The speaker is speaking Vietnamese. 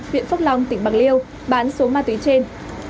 huyện phước long tỉnh bạc liêu bán số ma túy trên